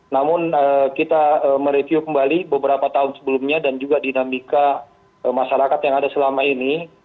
namun kita mereview kembali beberapa tahun sebelumnya dan juga dinamika masyarakat yang ada selama ini